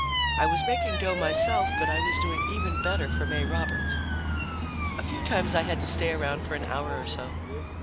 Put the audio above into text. I was making dough myself, but I was doing even better for May Roberts. A few times I had to stay around for an hour or so.